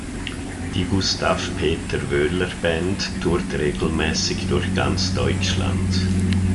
Die Gustav Peter Wöhler-Band tourt regelmäßig durch ganz Deutschland.